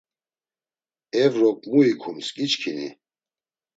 Evrok mu ikums giçkini?